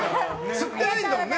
吸ってないんだもんね